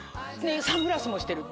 サングラスもしてる。